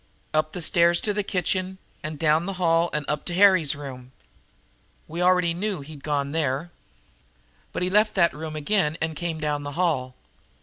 "Up the stairs to the kitchen and down the hall and up to Harry's room." "We already knew he'd gone there." "But he left that room again and came down the hall."